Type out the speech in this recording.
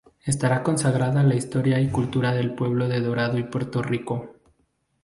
Estará consagrada a la historia y cultura del pueblo de Dorado y Puerto Rico.